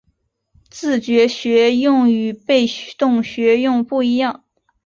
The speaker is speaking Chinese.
自觉学用与被动学用不一样